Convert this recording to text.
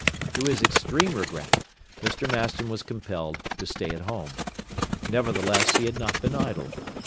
To his extreme regret, Mr. Maston was compelled to stay at home. Nevertheless he had not been idle.